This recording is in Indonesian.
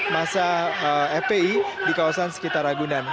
masa fpi di kawasan sekitar ragunan